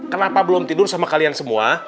kenapa belum tidur sama kalian semua